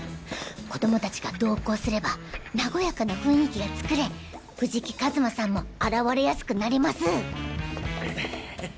子供達が同行すればなごやかな雰囲気が作れ藤木一馬さんも現れやすくなります。